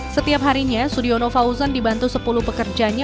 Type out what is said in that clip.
setiap harinya sudiono fauzan dibantu sepuluh pekerjanya